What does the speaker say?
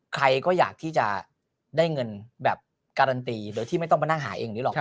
ใครก็อยากที่จะได้เงินแบบการันตีโดยที่ไม่ต้องมานั่งหาเองอย่างนี้หรอก